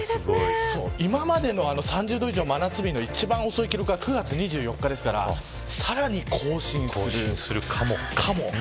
今までの３０度以上真夏日の一番遅い記録が９月２４日ですからさらに更新するかも。